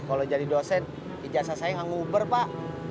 kalau jadi dosen ijazah saya nggak nge uber pak